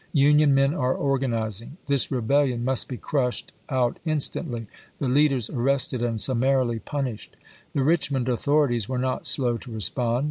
Union men are organizing. i86i"^w!"r. This rebellion must be crushed out instantly, the p. '240.' leaders arrested and summarily punished." The Richmond authorities were not slow to respond.